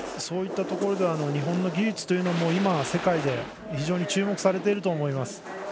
そういったところでは日本の技術うも今は世界で非常に注目されていると思います。